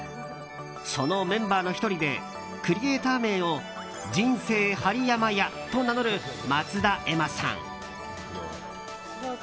そのメンバーの１人でクリエーター名を人生針山屋と名乗る松田絵麻さん。